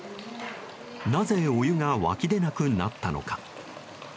なぜお湯が湧き出なくなったのか。